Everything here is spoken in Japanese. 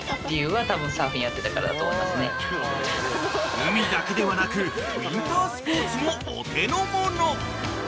［海だけではなくウィンタースポーツもお手のもの］